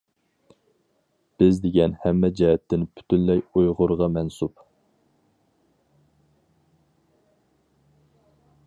بىز دېگەن ھەممە جەھەتتىن پۈتۈنلەي ئۇيغۇرغا مەنسۇپ!